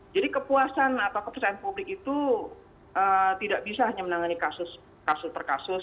jadi kepuasan atau kepesan publik itu tidak bisa hanya menangani kasus per kasus